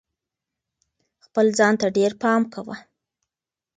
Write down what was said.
خپل ځان ته ډېر پام کوه.